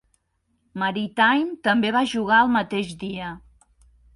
Maritime també va jugar el mateix dia.